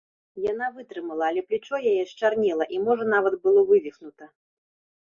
Яна вытрымала, але плячо яе счарнела і, можа, нават было вывіхнута.